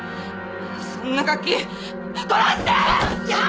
そんなガキ殺してやる！！